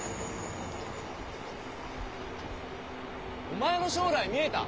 お前の将来見えた。